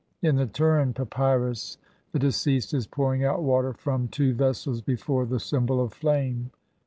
In the Turin Papyrus (Lepsius, op.cit., Bl. 23) the deceased is pouring out water from two vessels be fore the symbol of flame.